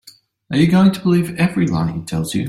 Are you going to believe every lie he tells you?